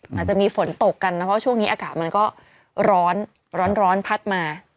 อาจจะมีฝนตกกันนะเพราะว่าช่วงนี้อากาศมันก็ร้อนร้อนพัดมา